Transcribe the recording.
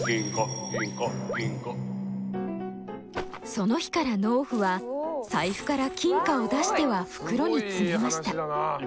その日から農夫は財布から金貨を出しては袋に詰めました。